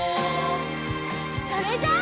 それじゃあ。